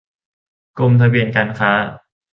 กรมทะเบียนการค้า